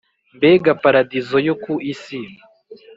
Mbega paradizo yo ku isi!!!